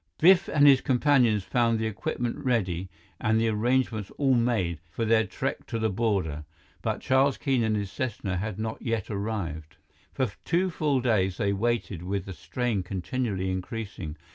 Biff and his companions found the equipment ready and the arrangements all made for their trek to the border. But Charles Keene and his Cessna had not yet arrived. For two full days they waited, with the strain continually increasing.